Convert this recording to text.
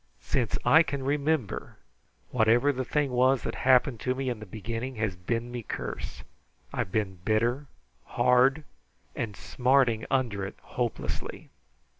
"Since I can remimber, whatever the thing was that happened to me in the beginning has been me curse. I've been bitter, hard, and smarting under it hopelessly.